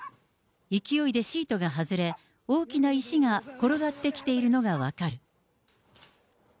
勢いでシートが外れ、大きな石が転がってきているのが分かる。